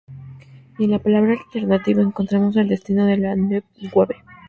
Y en la palabra alternativo encontramos el destino de la "new wave".